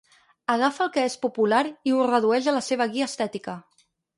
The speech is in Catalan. Agafa el que és popular i ho redueix a la seva guia estètica.